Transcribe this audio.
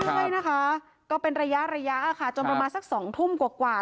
เรื่อยนะคะก็เป็นระยะระยะค่ะจนประมาณสัก๒ทุ่มกว่า